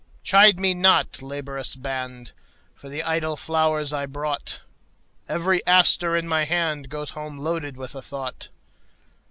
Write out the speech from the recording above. Chide me not, laborious band, For the idle flowers I brought; Every aster in my handGoes home loaded with a thought.